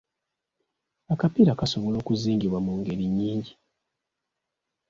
Akapiira kasobola okuzingibwa mu ngeri nnyingi.